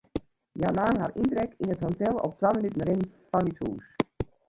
Hja naam har yntrek yn it hotel, op twa minuten rinnen fan ús hûs.